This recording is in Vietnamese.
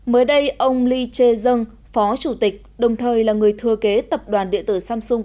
mới đây ông lee chae jung phó chủ tịch đồng thời là người thưa kế tập đoàn địa tử samsung